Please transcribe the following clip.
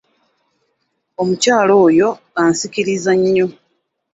Omukyala oyo asikiriza nnyo.